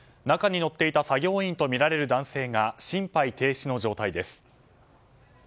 中に乗っていた作業員とみられる男性が心肺停止の状態です。